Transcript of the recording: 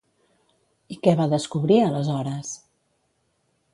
I què va descobrir, aleshores?